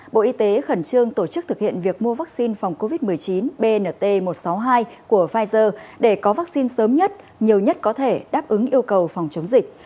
bộ y tế khẩn trương tổ chức thực hiện việc mua vaccine phòng covid một mươi chín bnt một trăm sáu mươi hai của pfizer để có vaccine sớm nhất nhiều nhất có thể đáp ứng yêu cầu phòng chống dịch